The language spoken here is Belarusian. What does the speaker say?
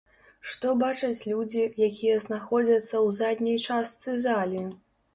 Што бачаць людзі, якія знаходзяцца ў задняй частцы залі?